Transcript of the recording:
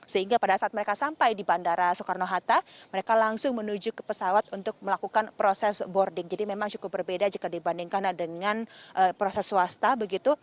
sehingga pada saat mereka sampai di bandara soekarno hatta mereka langsung menuju ke pesawat untuk melakukan proses boarding jadi memang cukup berbeda jika dibandingkan dengan proses swasta begitu